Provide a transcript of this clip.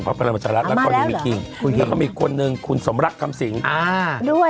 และก็มีคนอีกคนนึงคุณสมรักษ์ด้วย